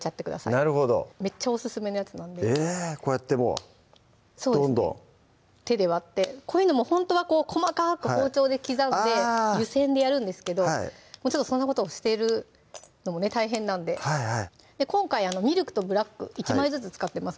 なるほどめっちゃオススメのやつなんでこうやってもうどんどん手で割ってこういうのもほんとはこう細かく包丁で刻んで湯煎でやるんですけどちょっとそんなことをしてるのもね大変なんで今回ミルクとブラック１枚ずつ使ってます